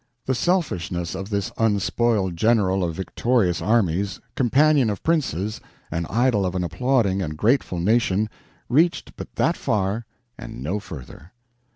The selfishness of this unspoiled general of victorious armies, companion of princes, and idol of an applauding and grateful nation, reached but that far and no farther.